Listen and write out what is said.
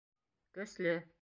Көслө!